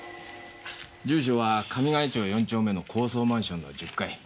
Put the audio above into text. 住所は神ヶ谷町４丁目の高層マンションの１０階。